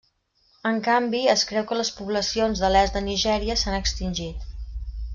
En canvi, es creu que les poblacions de l'est de Nigèria s'han extingit.